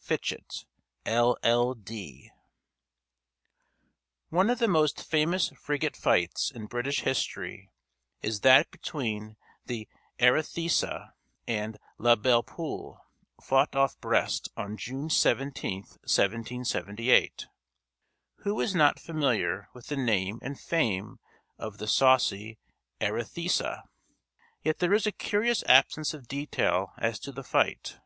Fitchett, LL. D. One of the most famous frigate fights in British history is that between the Arethusa and La Belle Poule, fought off Brest on June 17, 1778. Who is not familiar with the name and fame of "the saucy Arethusa"? Yet there is a curious absence of detail as to the fight.